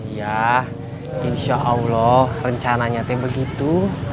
ya insya allah rencana nyatanya begitu